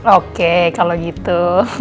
oke kalau gitu